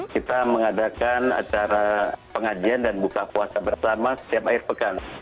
kita mengadakan acara pengajian dan buka puasa bersama setiap akhir pekan